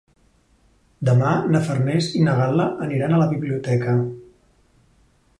Demà na Farners i na Gal·la aniran a la biblioteca.